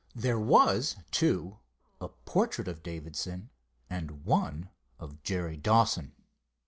There was, too, a portrait of Davidson and one of Jerry Dawson.